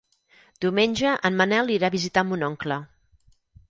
Diumenge en Manel irà a visitar mon oncle.